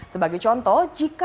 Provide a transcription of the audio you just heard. sebagai contoh jika